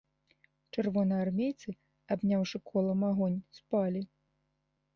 Чырвонаармейцы, абняўшы колам агонь, спалі.